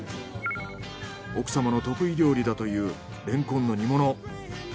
奥様の得意料理だというレンコンの煮物。